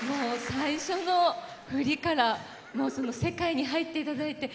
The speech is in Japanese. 最初の振りから世界に入っていただいて。